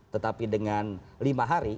tetapi dengan lima hari